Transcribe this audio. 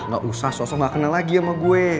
gak usah sosok gak kenal lagi sama gue